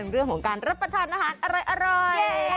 เรื่องของการรับประทานอาหารอร่อย